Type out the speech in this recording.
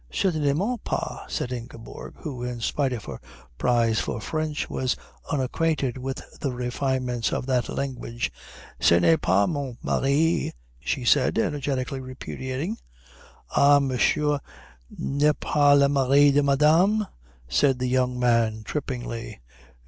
Certainement pas_," said Ingeborg, who in spite of her prize for French was unacquainted with the refinements of that language. "Ce n'est pas mon mari," she said, energetically repudiating. "Ah Monsieur n'est pas le mari de Madame," said the young man trippingly.